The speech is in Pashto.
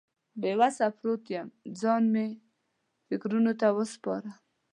بې وسه پروت وم، ځان مې فکرونو ته ور وسپاره.